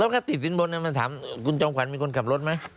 แล้วมันกล้าติดศิลป์บ่นเขามันถามคุณจองขวัญมีคนขับรถมั้ย